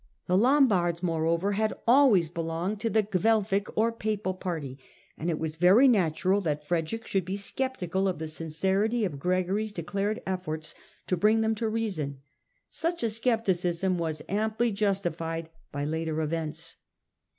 The Lombards, moreover, had always belonged to the Guelfic or Papal party, and it was very natural that Frederick should be sceptical of the sincerity of Gregory's declared efforts to bring them to reason. Such a scepticism was amply justified by later events.